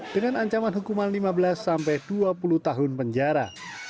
dengan ancaman hukuman lima belas sampai dua puluh tahun penjara